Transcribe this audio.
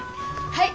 はい。